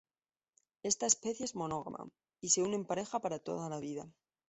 Esta especie es monógama, y se une en pareja para toda la vida.